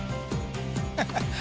ハハハ